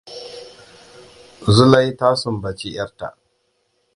Zulai ta sumbaci yar ta.